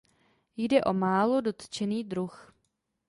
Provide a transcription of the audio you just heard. Jde o málo dotčený druh.